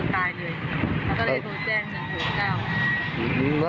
ก็คือมองมาก็เห็นคนตายเลยแล้วก็เลยโทรแจ้งหนึ่งโทรเจ้า